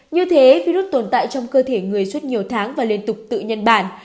như thế virus tồn tại trong cơ thể người suốt nhiều tháng và liên tục tự nhân bản